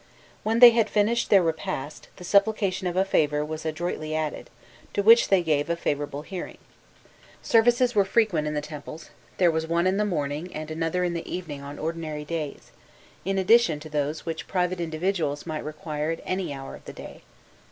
When they had finished their repast, the supplication of a favour was adroitly added, to which they gave a favourable hearing. Services were frequent in the temples: there was one in the morning and another in the evening on ordinary days, in addition to those which private individuals might require at any hour of the day.